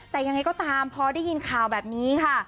แต่ยังไงก็ตามพอได้ยินข่าวแบบนี้ค่ะ